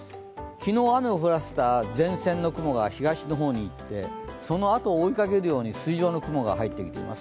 昨日雨を降らせた前線の雲が東の方に行ってそのあとを追いかけるように筋状の雲が入ってきています。